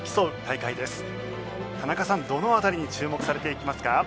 田中さんどの辺りに注目されていきますか？